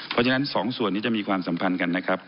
เพราะฉะนั้น๒ส่วนนี้จะมีความสัมพันธ์กันนะครับ